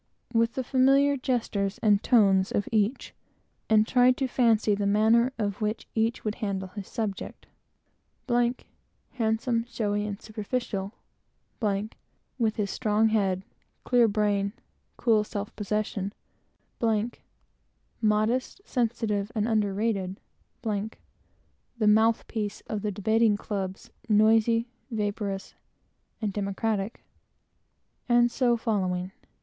with the gestures and tones of each, and tried to fancy the manner in which each would handle his subject, , handsome, showy, and superficial; , with his strong head, clear brain, cool self possession; , modest, sensitive, and underrated; , the mouth piece of the debating clubs, noisy, vaporous, and democratic; and so following.